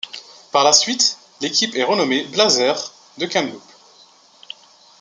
Par la suite, l'équipe est renommée Blazers de Kamloops.